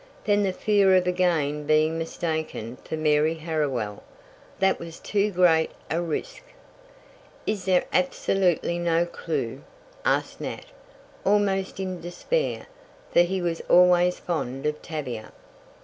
Then the fear of again being mistaken for Mary Harriwell that was too great a risk. "Is there absolutely no clew?" asked Nat, almost in despair, for he was always fond of Tavia.